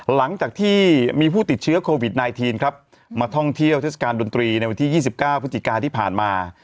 หลังจากที่มีผู้ติดเชื้อโควิด๑๙ครับมาท่องเที่ยวเทศกาลดนตรีในวันที่๒๙พฤศจิกาที่ผ่านมา